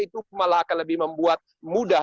itu malah akan lebih membuat mudah